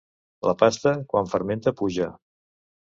La pasta, quan fermenta, puja.